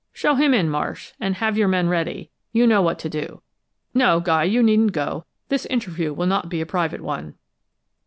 "Show him in, Marsh, and have your men ready. You know what to do. No, Guy, you needn't go. This interview will not be a private one."